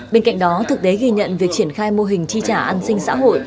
bên cạnh đó thực tế ghi nhận việc triển khai mô hình tri trả an sinh xã hội